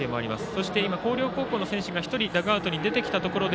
そして、広陵高校の選手が１人ダグアウトに出てきたところで